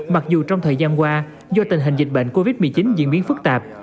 mặc dù trong thời gian qua do tình hình dịch bệnh covid một mươi chín diễn biến phức tạp